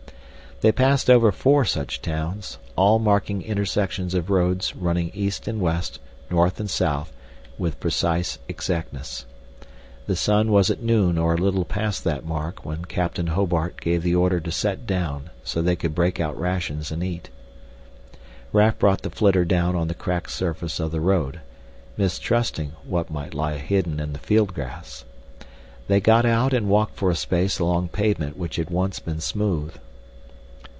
They passed over four such towns, all marking intersections of roads running east and west, north and south, with precise exactness. The sun was at noon or a little past that mark when Captain Hobart gave the order to set down so that they could break out rations and eat. Raf brought the flitter down on the cracked surface of the road, mistrusting what might lie hidden in the field grass. They got out and walked for a space along pavement which had once been smooth.